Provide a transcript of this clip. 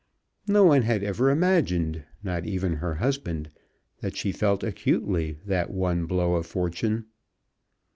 No one had ever imagined, not even her husband, that she felt acutely that one blow of fortune.